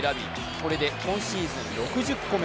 これで今シーズン６０個目。